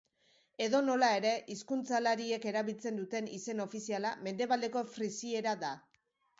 Edonola ere, hizkuntzalariek erabiltzen duten izen ofiziala mendebaldeko frisiera da.